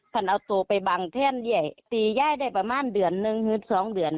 เพื่อเอาโตไปบังแท่นใหญ่ตีไยได้ประมาณเดือนนึงหรือสองเดือน